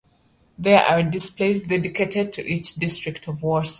There are displays dedicated to each district of Warsaw.